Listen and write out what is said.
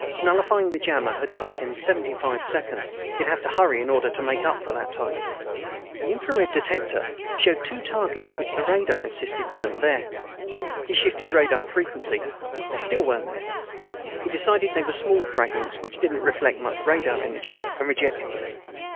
Nullifying the jammer had cost him seventy five seconds. He'd have to hurry, in order to make up for that time. The infrared detector showed two targets which the radar insisted weren't there. He shifted radar frequency. They still weren't there. He decided they were small fragments which didn't reflect much radar energy, and rejected them.